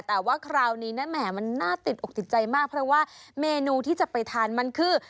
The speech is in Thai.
แต่ว่าคราวนี้นะแหมมันน่าติดอกติดใจมากเพราะว่าเมนูที่จะไปทานมันคือ